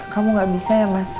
kamu gak bisa ya mas